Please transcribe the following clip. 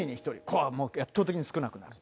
これはもう圧倒的に少なくなる。